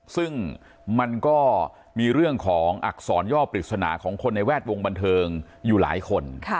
ซึ่งมันก็มีเรื่องของอักษรย่อปริศนาของคนในแวดวงบันเทิงอยู่หลายคน